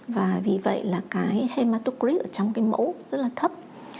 và vì vậy là cái hematocrid ở trong cái mẫu rất là thấp